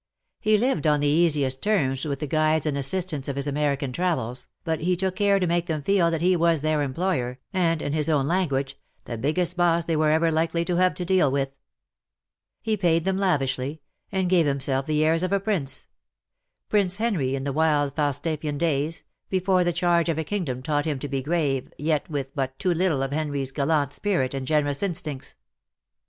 He lived on the easiest terms with the guides and assistants of his American travels, but he took care to make them feel that he was their employer and; in his own language, "the biggest boss they were ever likely to have to deal with." ' He paid them lavishly, and gave himself the airs of a Prince — Prince Henry in the wild Falstaffian days, before the charge of a kingdom taught him to be grave, yet with but too little of Henry's gallant spirit and generous instincts.